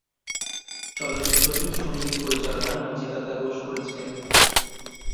চলচ্চিত্রটির সংগীত পরিচালনা নচিকেতা ঘোষ করেছিলেন।